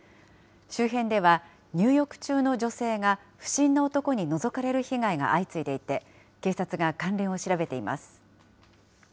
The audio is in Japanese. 周辺では、入浴中の女性が、不審な男にのぞかれる被害が相次いでいて、警察が関連を調べています。